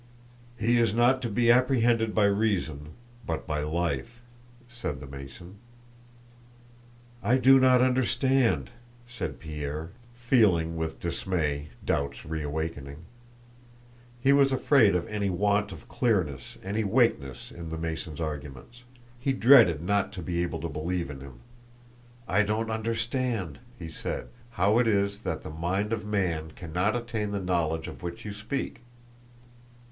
"He is not to be apprehended by reason, but by life," said the Mason. "I do not understand," said Pierre, feeling with dismay doubts reawakening. He was afraid of any want of clearness, any weakness, in the Mason's arguments; he dreaded not to be able to believe in him. "I don't understand," he said, "how it is that the mind of man cannot attain the knowledge of which you speak."